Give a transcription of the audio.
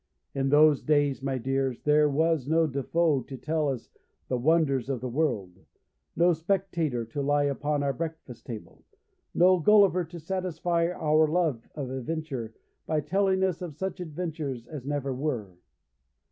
In those days, my dears, there was no Defoe to tell us the wonders of the world, no Spectator to lie upon our breakfast table, no Gulliver to satisfy our love of adventure by telling us of such adventures as never were.